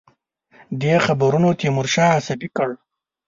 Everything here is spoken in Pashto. دې خبرونو تیمورشاه عصبي کړ.